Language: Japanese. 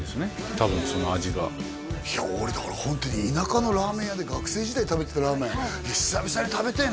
多分その味が俺ホントに田舎のラーメン屋で学生時代食べてたラーメン久々に食べてえ